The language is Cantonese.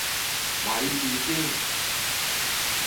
咪住先